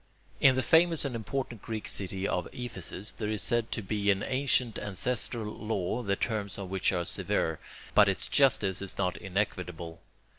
In the famous and important Greek city of Ephesus there is said to be an ancient ancestral law, the terms of which are severe, but its justice is not inequitable.